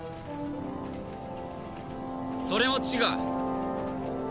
それも違う！